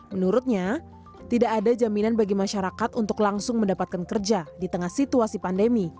menurutnya tidak ada jaminan bagi masyarakat untuk langsung mendapatkan kerja di tengah situasi pandemi